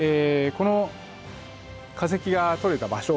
この化石が採れた場所